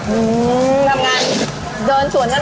อืมทำงาน